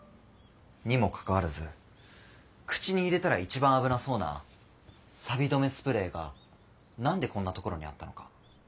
にもかかわらず口に入れたら一番危なそうなサビ止めスプレーが何でこんなところにあったのか。